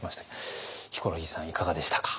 ヒコロヒーさんいかがでしたか？